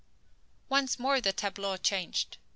Once more the tableau changed.